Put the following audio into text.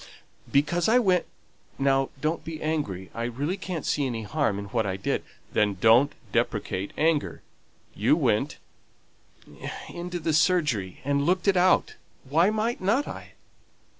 "Because I went now don't be angry, I really can't see any harm in what I did " "Then, don't deprecate anger. You went " "Into the surgery, and looked it out. Why might not I?"